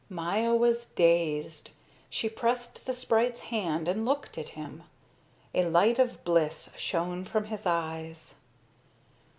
Maya was dazed. She pressed the sprite's hand and looked at him. A light of bliss shone from his eyes.